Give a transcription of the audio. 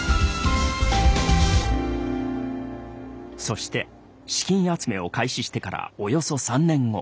そして資金集めを開始してからおよそ３年後。